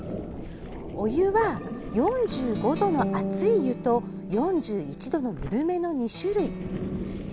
お湯は４５度の熱い湯と４１度のぬるめの２種類。